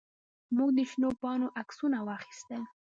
موږ د شنو پاڼو عکسونه واخیستل.